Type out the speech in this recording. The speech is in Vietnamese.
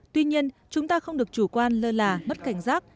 tuy nhiên chúng ta không được chủ quan lơ là mất cảnh giác